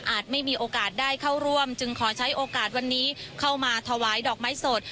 ไม่มีโอกาสได้เข้าร่วมจึงขอใช้โอกาสวันนี้เข้ามาถวายดอกไม้สด